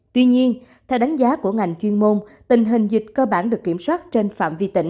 tuy nhiên theo đánh giá của ngành chuyên môn tình hình dịch cơ bản được kiểm soát trên phạm vi tỉnh